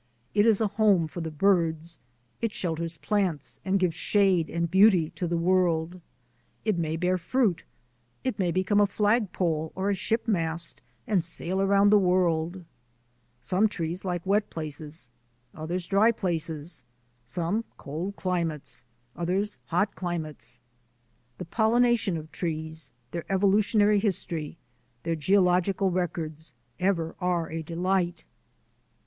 It is a home for the birds, it shelters plants, and gives shade and beauty to the world. It may bear fruit. It may become a flag pole or a ship mast and sail around the world. 252 THE ADVENTURES OF A NATURE GUIDE Some trees like wet places, others dry places; some cold climates, others hot climates. The pollination of trees, their evolutionary his tory, their geological records, ever are a delight.